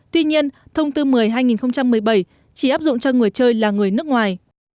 tuy nhiên thông tư một mươi hai nghìn một mươi bảy chỉ áp dụng cho người chơi là người nước ngoài